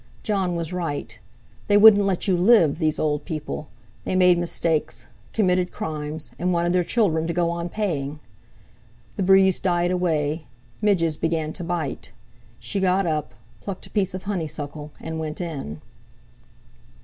Jon was right. They wouldn't let you live, these old people! They made mistakes, committed crimes, and wanted their children to go on paying! The breeze died away; midges began to bite. She got up, plucked a piece of honeysuckle, and went in.